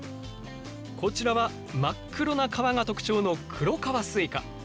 こちらは真っ黒な皮が特徴の黒皮すいか。